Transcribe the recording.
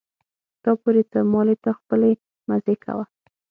تا پورې څه مالې ته خپلې مزې کوه.